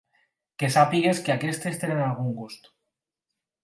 Sàpigues que aquestes tenen algun gust.